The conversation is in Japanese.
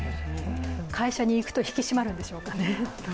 会社に行くと引き締まるんでしょうかね。